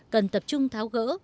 cần tập trung tháo gỡ